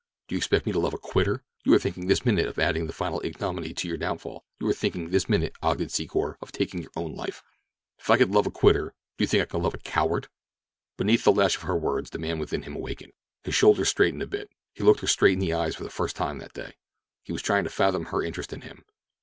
Do you expect me to love a quitter? You are thinking this minute of adding the final ignominy to your downfall; you are thinking this minute, Ogden Secor, of taking your own life. If I could love a quitter, do you think that I could love a—coward?" Beneath the lash of her words, the man within him awakened. His shoulders straightened a bit. He looked her straight in the eyes for the first time that day. He was trying to fathom her interest in him.